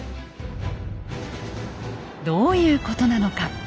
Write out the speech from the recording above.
どういうことなのか。